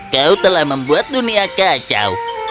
kau telah membuat dunia kacau